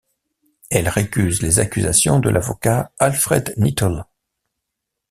Elle récuse les accusations de l'avocat Alfred Nittle.